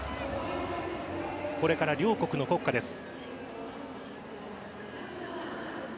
これから両国の国歌です。